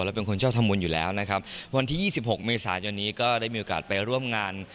เป็นคนชอบทำบุญอยู่แล้วนะครับวันที่ยี่สิบหกเมษายนนี้ก็ได้มีโอกาสไปร่วมงาน